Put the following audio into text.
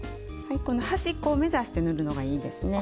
この端っこを目指して塗るのがいいですね。